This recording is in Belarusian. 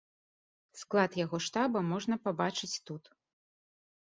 Склад яго штаба можна пабачыць тут.